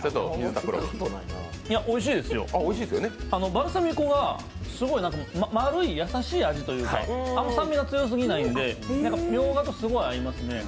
おいしいですよ、バルサミコが丸い優しい味というか、あんまり酸味が強すぎないんでミョウガとすごく合いますね。